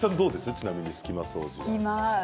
ちなみに隙間掃除は。